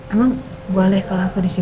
emang boleh kalau aku disitu